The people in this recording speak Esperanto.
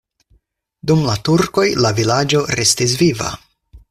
Dum la turkoj la vilaĝo restis viva.